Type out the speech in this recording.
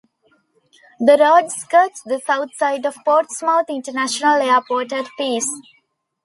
The road skirts the south side of Portsmouth International Airport at Pease.